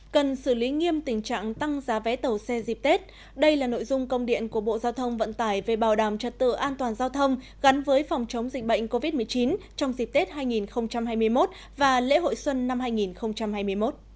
cần xử lý nghiêm tình trạng tăng giá vé tàu xe dịp tết đây là nội dung công điện của bộ giao thông vận tải về bảo đảm trật tự an toàn giao thông gắn với phòng chống dịch bệnh covid một mươi chín trong dịp tết hai nghìn hai mươi một và lễ hội xuân năm hai nghìn hai mươi một